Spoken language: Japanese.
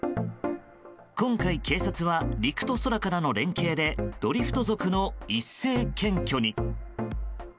今回、警察は陸と空からの連携でドリフト族の一斉検挙に。